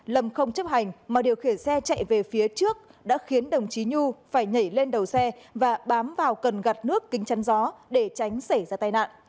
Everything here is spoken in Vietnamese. lâm không chấp hành mà điều khiển xe chạy về phía trước đã khiến đồng chí nhu phải nhảy lên đầu xe và bám vào cần gạt nước kính chăn gió để tránh xảy ra tai nạn